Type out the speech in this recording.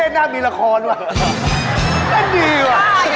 เอ่อแต่เสียงดัง